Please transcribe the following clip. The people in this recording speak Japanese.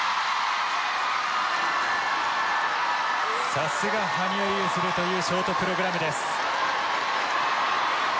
さすが羽生結弦というショートプログラムです。